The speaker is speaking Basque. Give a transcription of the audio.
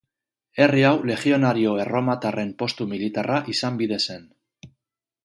Herri hau legionario erromatarren postu militarra izan bide zen.